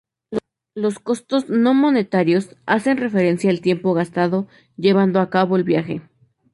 Los costos no-monetarios hacen referencia al tiempo gastado llevando a cabo el viaje.